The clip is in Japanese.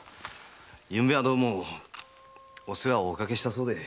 昨夜はどうもお世話をおかけしたそうで。